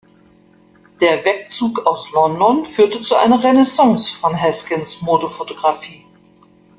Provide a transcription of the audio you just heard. Der Wegzug aus London führte zu einer Renaissance von Haskins’ Modefotografie.